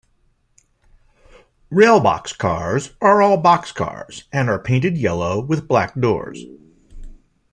RailBox cars are all boxcars and are painted yellow with black doors.